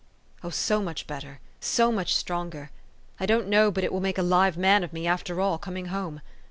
" Oh, so much better so much stronger ! I don't know but it will make a live man of me, after all, coming home.